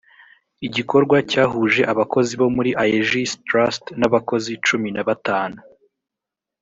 igikorwa cyahuje abakozi bo muri aegis trust na bakozi cumi na batanu